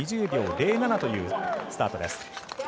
２０秒０７というスタート。